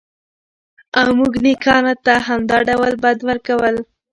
او موږ نېکانو ته همدا ډول بدل ورکوو.